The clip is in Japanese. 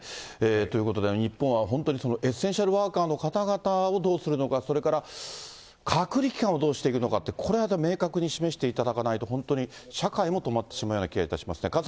ということで、日本は本当にエッセンシャルワーカーの方々をどうするのか、それから隔離期間をどうしていくのかって、これは明確に示していただかないと、本当に社会も止まってしまうような気がいたしますね。